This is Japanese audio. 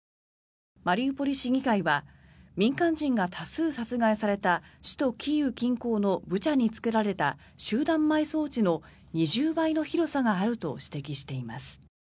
マリウポリ市議会は民間人が多数殺害された首都キーウ近郊のブチャに作られた集団埋葬地の２０倍の広さがあると指摘しています。